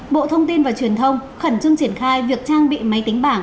bộ thông tin và truyền thông khẩn trương triển khai việc trang bị máy tính bảng